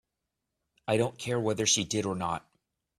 I don't care whether she did or not.